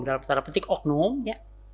ternyata penting oknum ya